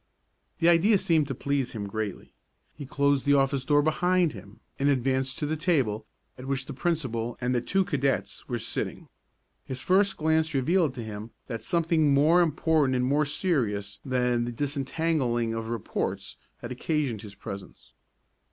The idea seemed to please him greatly. He closed the office door behind him and advanced to the table at which the principal and the two cadets were sitting. His first glance revealed to him that something more important and more serious than the disentangling of reports had occasioned his presence.